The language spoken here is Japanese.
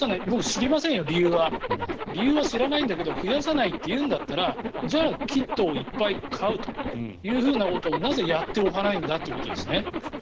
僕、知りませんよ、理由は理由は知らないけど増やさないというんだったらじゃあ、キットをいっぱい買うということをなぜ、やっておかないんだということですね。